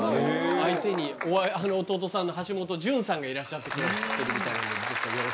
相手に弟さんの橋本淳さんがいらっしゃってくださってる。